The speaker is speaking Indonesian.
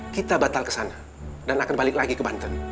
kita batal kesana dan akan balik lagi ke banten